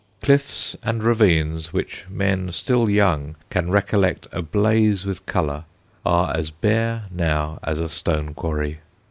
Cliffs and ravines which men still young can recollect ablaze with colour, are as bare now as a stone quarry.